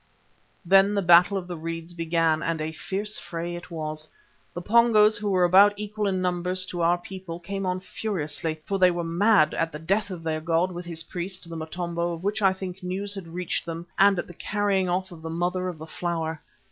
Then the Battle of the Reeds began, and a fierce fray it was. The Pongos who were about equal in numbers to our people, came on furiously, for they were mad at the death of their god with his priest, the Motombo, of which I think news had reached them and at the carrying off of the Mother of the Flower.